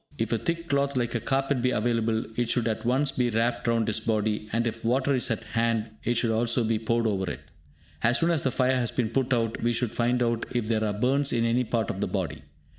If a thick cloth like a carpet be available, it should at once be wrapped round his body; and if water is at hand, it should also be poured over it. As soon as the fire has been put out, we should find out if there are burns in any part of the body.